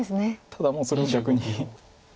ただもうそれを逆に。